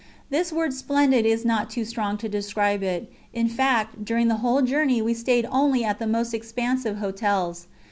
This word "splendid" is not too strong to describe it; in fact during the whole journey we stayed only at the most expansive hotels.